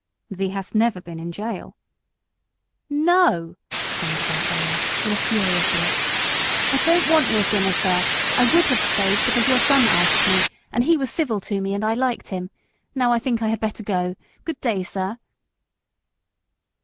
"Thee hast never been in gaol?" "No!" thundered out the lad, with a furious look. "I don't want your dinner, sir; I would have stayed, because your son asked me, and he was civil to me, and I liked him. Now I think I had better go. Good day, sir."